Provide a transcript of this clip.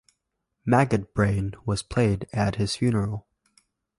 "Maggot Brain" was played at his funeral.